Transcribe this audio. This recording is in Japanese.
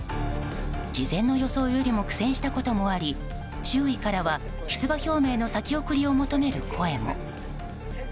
事前の予想よりも苦戦したこともあり周囲からは出馬表明の先送りを求める声も。